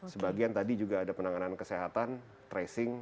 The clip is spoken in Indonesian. sebagian tadi juga ada penanganan kesehatan tracing